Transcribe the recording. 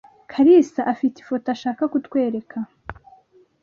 Kalisa afite ifoto ashaka kutwereka.